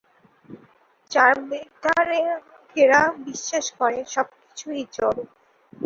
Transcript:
চার্বাকেরা বিশ্বাস করে, সব কিছুই জড়।